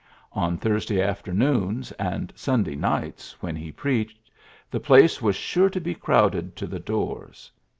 On Thursday afternoons and Sunday nights when he preached, the place WLs sure to be crowded to the doors.